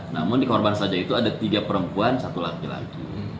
namun di korban saja itu ada tiga perempuan satu laki laki